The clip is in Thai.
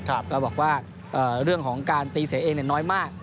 ก็บอกว่าเรื่องของการตีเสียเองน้อยมาก